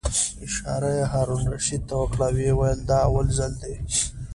اشاره یې هارون الرشید ته وکړه او ویې ویل: دا اول ځل دی.